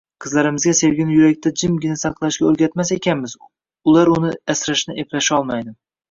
Qizlarimizga sevgini yurakda jimgina saqlashga o`rgatmas ekanmiz, ular uni asrashni eplasholmaydi